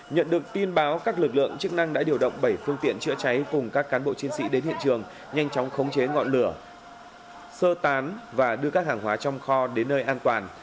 nhận được tin báo các lực lượng chức năng đã điều động bảy phương tiện chữa cháy cùng các cán bộ chiến sĩ đến hiện trường nhanh chóng khống chế ngọn lửa sơ tán và đưa các hàng hóa trong kho đến nơi an toàn